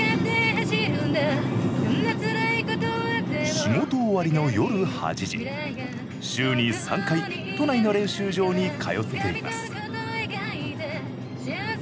仕事終わりの夜８時週に３回都内の練習場に通っています。